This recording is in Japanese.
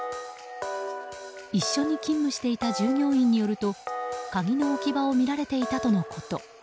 一緒に勤務していた従業員によると鍵の置き場を見られていたとのこと。